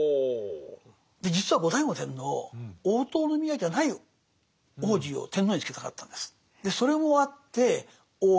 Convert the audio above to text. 実は後醍醐天皇大塔宮じゃない皇子を天皇につけたかったんです。